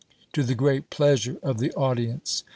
to the great pleasure of the audience.